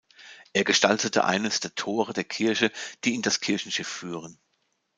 Er gestaltete eines der Tore der Kirche, die in das Kirchenschiff führen.